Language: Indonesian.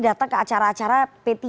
datang ke acara acara p tiga